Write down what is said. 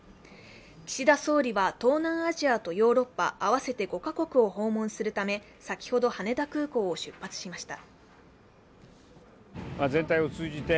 岸田総理は東南アジアとヨーロッパ合わせて５カ国を訪問するため先ほど羽田空港を出発しました。